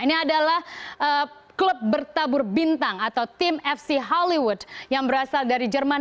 ini adalah klub bertabur bintang atau tim fc hollywood yang berasal dari jerman